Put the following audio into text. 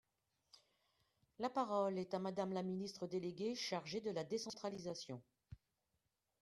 La parole est à Madame la ministre déléguée chargée de la décentralisation.